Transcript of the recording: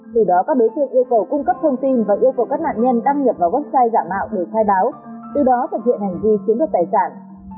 từ đó các đối tượng yêu cầu cung cấp thông tin và yêu cầu các nạn nhân đăng nhập vào website giả mạo để khai báo từ đó thực hiện hành vi chiếm được tài sản